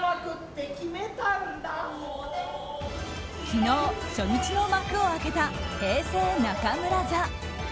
昨日初日の幕を開けた「平成中村座」。